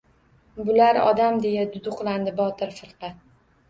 — Bular... odam... — deya duduqlandi Botir firqa.